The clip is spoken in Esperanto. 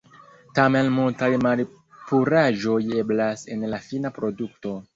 Tamen multaj malpuraĵoj eblas en la fina produkto.